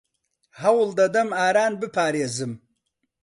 ھەوڵ دەدەم ئاران بپارێزم.